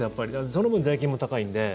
その分、税金も高いので。